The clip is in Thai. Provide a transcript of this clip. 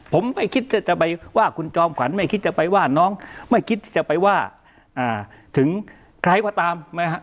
ผมไม่คิดจะไปว่าคุณจอมขวัญไม่คิดจะไปว่าน้องไม่คิดที่จะไปว่าถึงใครก็ตามนะฮะ